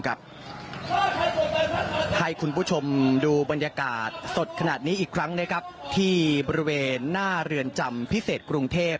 ให้คุณผู้ชมดูบรรยากาศสดขนาดนี้อีกครั้งที่บริเวณหน้าเรือนจำพิเศษกรุงเทพ